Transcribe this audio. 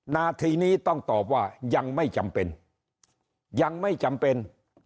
ณทีนี้ต้องตอบว่ายังไม่จำเป็น